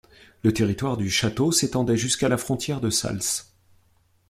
Le territoire du château s'étendait jusqu'à la frontière de Salses.